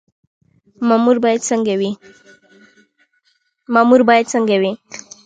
مامور باید څنګه وي؟